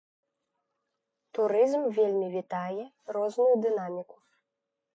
Турызм вельмі вітае розную дынаміку.